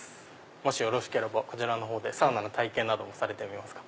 もしよろしければこちらでサウナの体験されてみますか？